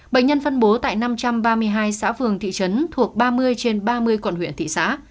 bệnh nhân phân bố tại năm trăm ba mươi hai xã phường thị trấn thuộc ba mươi trên ba mươi quận huyện thị xã